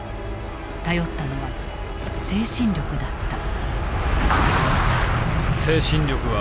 頼ったのは精神力だった。